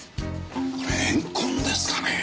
これ怨恨ですかねえ？